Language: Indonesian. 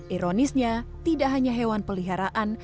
ironisnya tidak hanya hewan peliharaan